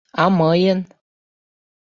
А мыйын?..